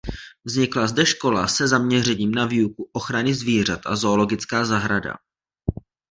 Vznikla zde škola se zaměřením na výuku ochrany zvířat a zoologická zahrada.